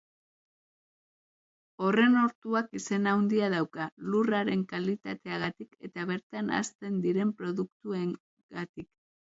Horren ortuak izen handia dauka, lurraren kalitateagatik eta bertan hazten diren produktuengatik.